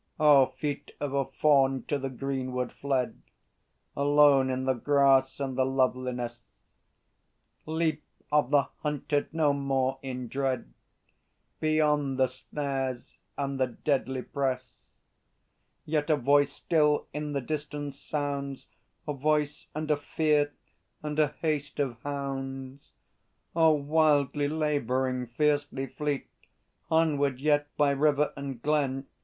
Oh, feet of a fawn to the greenwood fled, Alone in the grass and the loveliness; Leap of the hunted, no more in dread, Beyond the snares and the deadly press: Yet a voice still in the distance sounds, A voice and a fear and a haste of hounds; O wildly labouring, fiercely fleet, Onward yet by river and glen